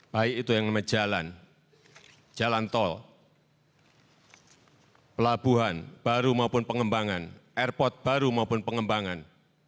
baik itu yang namanya jalan jalan tol pelabuhan baru maupun pengembangan airport baru maupun pengembangan